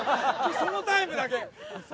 そのタイムだけ。